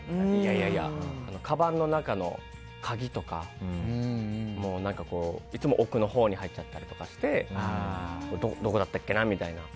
いやいやかばんの中の鍵とかいつも奥のほうに入っちゃったりとかしてどこだったけな？みたいな。